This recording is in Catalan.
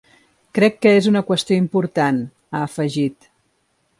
Crec que és una qüestió important, ha afegit.